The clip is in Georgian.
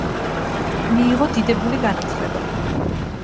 მიიღო დიდებული განათლება.